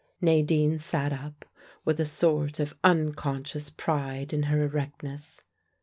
Nadine sat up, with a sort of unconscious pride in her erectness.